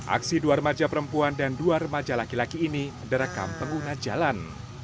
aksi dua remaja perempuan dan dua remaja laki laki ini direkam pengguna jalan